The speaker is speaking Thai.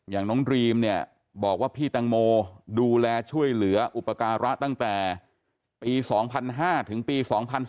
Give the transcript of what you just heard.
อย่างน้องดรีมเนี่ยบอกว่าพี่ตังโมดูแลช่วยเหลืออุปการะตั้งแต่ปี๒๐๐๕ถึงปี๒๔